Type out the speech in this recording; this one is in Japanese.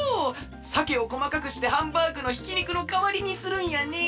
さけをこまかくしてハンバーグのひきにくのかわりにするんやね。